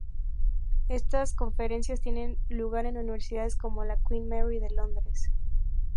Estas conferencias tienen lugar en universidades como la Queen Mary de Londres.